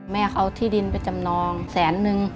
แม่เขาที่ดินไปจำนองแสนนึง